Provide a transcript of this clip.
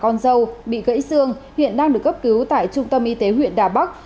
con dâu bị gãy xương hiện đang được cấp cứu tại trung tâm y tế huyện đà bắc